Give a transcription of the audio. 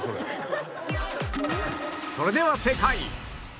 それでは正解